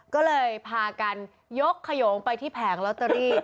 ก็เลยพากันยกขยงไปที่แผงลอตเตอรี่